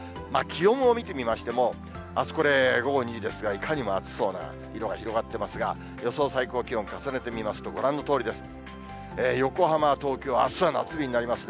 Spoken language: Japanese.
気温を見てみましても、あすこれ、午後２時ですが、いかにも暑そうな色が広がってますが、予想最高気温、重ねてみますと、ご覧のとおりです。